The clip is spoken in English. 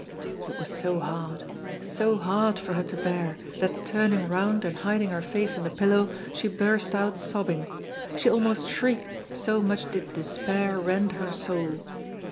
It was so hard, so hard for her to bear, that turning round and hiding her face in the pillow, she burst out sobbing. She almost shrieked, so much did despair rend her soul.